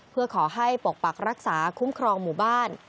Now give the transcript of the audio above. เพื่อขอให้ปกปักรักษาคุ้มครองหมู่บ้าน